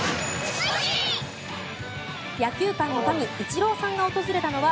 野球界の神、イチローさんが訪れたのは